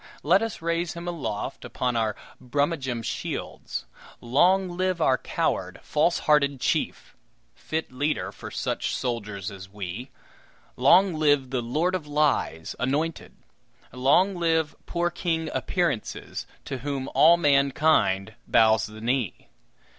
Let us raise him aloft upon our Brummagem shields. Long live our coward, falsehearted chief! fit leader for such soldiers as we! Long live the Lord of Lies, anointed! Long live poor King Appearances, to whom all mankind bows the knee!